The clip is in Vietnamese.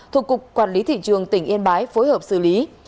thuộc cục quản lý thị trường tỉnh yên bái phối hợp xử lý